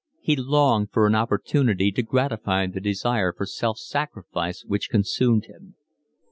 He longed for an opportunity to gratify the desire for self sacrifice which consumed him.